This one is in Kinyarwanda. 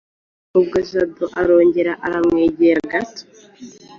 ubwo Jado arongera aramwegera gato